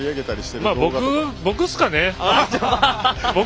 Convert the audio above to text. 僕っすかね。